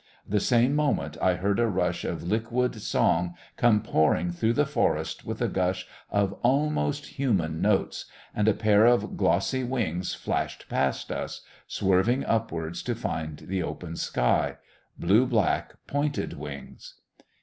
The same moment I heard a rush of liquid song come pouring through the forest with a gush of almost human notes, and a pair of glossy wings flashed past us, swerving upwards to find the open sky blue black, pointed wings.